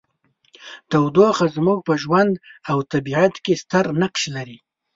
تودوخه زموږ په ژوند او طبیعت کې ستر نقش لري.